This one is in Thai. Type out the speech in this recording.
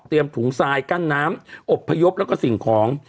ถุงทรายกั้นน้ำอบพยพแล้วก็สิ่งของ